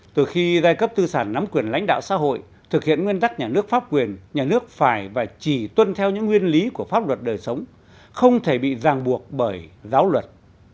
từ khi giai cấp tư sản nắm quyền lãnh đạo xã hội thực hiện nguyên tắc nhà nước pháp quyền nhà nước phải và chỉ tuân theo những nguyên lý của pháp luật đời sống không thể bị ràng buộc bởi giáo luật